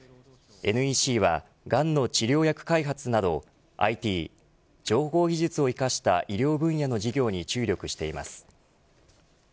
ＮＥＣはがんの治療薬開発などＩＴ情報技術を生かした医療分野の事業に注力しています。